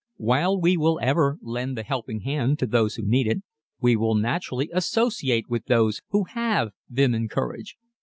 While we will ever lend the helping hand to those who need it we will naturally associate with those who have vim and courage.